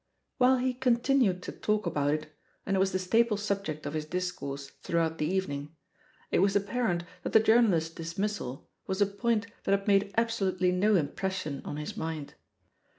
While he continued to talk about it, and it was the staple subject of his discourse throughout the evening, it was apparent that the journalist's dismissal was a point that had made absolutely no impression on his mind.